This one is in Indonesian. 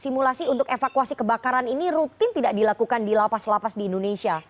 simulasi untuk evakuasi kebakaran ini rutin tidak dilakukan di lapas lapas di indonesia